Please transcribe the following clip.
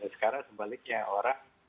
sekarang sebaliknya orang